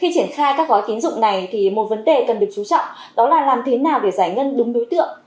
khi triển khai các gói tín dụng này thì một vấn đề cần được chú trọng đó là làm thế nào để giải ngân đúng đối tượng